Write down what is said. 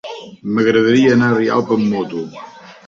M'agradaria anar a Rialp amb moto.